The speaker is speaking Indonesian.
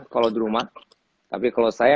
kalau di rumah tapi kalau saya